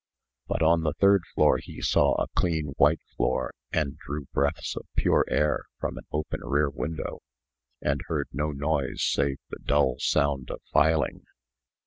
But on the third story he saw a clean, white floor, and drew breaths of pure air from an open rear window, and heard no noise save the dull sound of filing.